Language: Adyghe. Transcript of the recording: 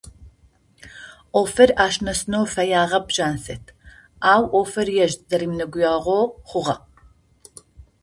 Ӏофыр ащ нэсынэу фэягъэп Жансэт, ау ӏофыр ежь зэремынэгуягъэу хъугъэ.